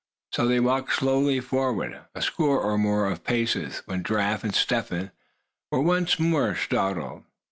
So they walked slowly forward a score or more of paces, when Giraffe and Step Hen were once more startled.